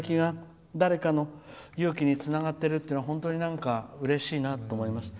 ふくだしんやのハガキが誰かの勇気につながってるっていうのは本当にうれしいなと思いました。